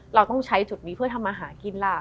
เราต้องใช้จุดนี้เพื่อทำมาหากินล่ะ